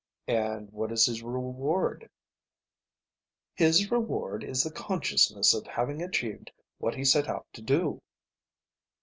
"And what is his reward?" "His reward is the consciousness of having achieved what he set out to do."